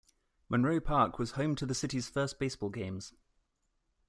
Monroe Park was home to the City's first baseball games.